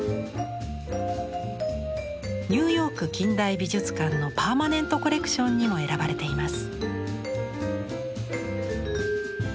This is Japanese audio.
ニューヨーク近代美術館のパーマネントコレクションにも選ばれています。